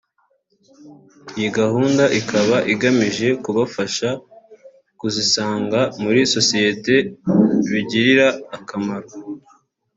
Iyi gahunda ikaba igamije kubafasha kuzisanga muri sosiyete bigirira akamaro